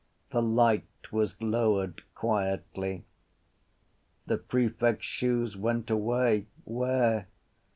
The light was lowered quietly. The prefect’s shoes went away. Where?